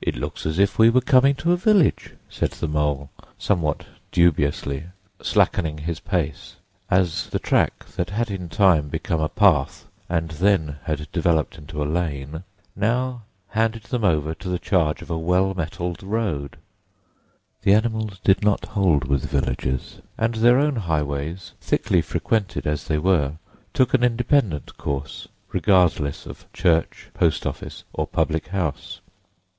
"It looks as if we were coming to a village," said the Mole somewhat dubiously, slackening his pace, as the track, that had in time become a path and then had developed into a lane, now handed them over to the charge of a well metalled road. The animals did not hold with villages, and their own highways, thickly frequented as they were, took an independent course, regardless of church, post office, or public house.